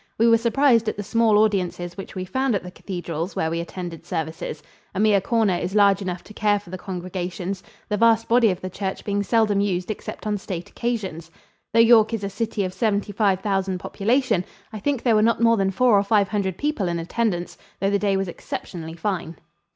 We were surprised at the small audiences which we found at the cathedrals where we attended services. A mere corner is large enough to care for the congregations, the vast body of the church being seldom used except on state occasions. Though York is a city of seventy five thousand population, I think there were not more than four or five hundred people in attendance, though the day was exceptionally fine.